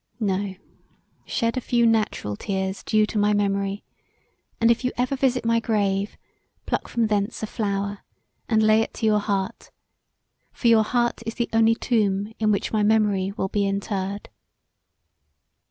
No; shed a few natural tears due to my memory: and if you ever visit my grave, pluck from thence a flower, and lay it to your heart; for your heart is the only tomb in which my memory will be enterred.